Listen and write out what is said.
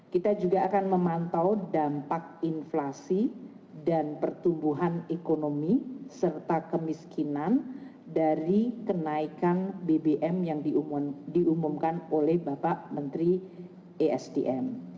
kita juga akan memantau dampak inflasi dan pertumbuhan ekonomi serta kemiskinan dari kenaikan bbm yang diumumkan oleh bapak menteri esdm